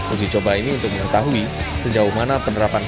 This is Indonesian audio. uji coba ini untuk mengetahui sejauh mana penerapan